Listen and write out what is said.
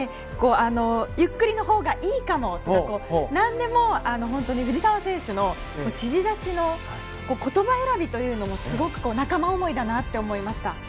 ゆっくりのほうがいいかもとかなんでも、藤澤選手の指示出しの言葉選びというのもすごく仲間思いだなと思いました。